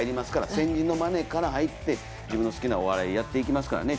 先人のまねから入って自分の好きなお笑いをやっていきますからね。